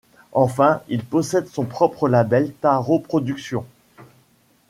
Enfin, il possède son propre label, Tarot Productions.